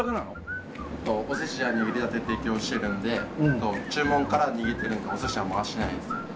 お寿司は握りたて提供してるんで注文から握ってるんでお寿司は回してないんです。